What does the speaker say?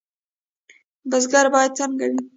بزګر باید څنګه وي؟